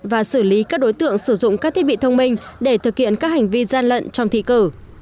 và xử lý các đối tượng sử dụng các thiết bị thông minh để thực hiện các hành vi gian lận trong thi cử